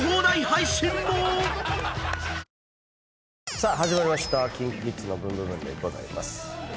さあ始まりました『ＫｉｎＫｉＫｉｄｓのブンブブーン！』です。